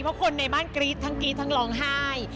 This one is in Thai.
เพราะคนในบ้านกรี๊ดทั้งกรี๊ดทั้งร้องไห้